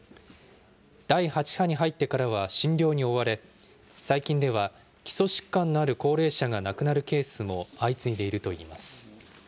第８波に入ってからは診療に追われ、最近では基礎疾患のある高齢者が亡くなるケースも相次いでいるといいます。